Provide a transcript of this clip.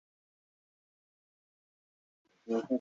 吉隆红螯蛛为管巢蛛科红螯蛛属的动物。